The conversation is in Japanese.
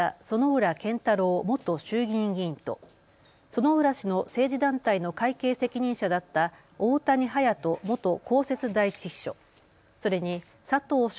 薗浦健太郎元衆議院議員と薗浦氏の政治団体の会計責任者だった大谷勇人元公設第１秘書、それに佐藤尚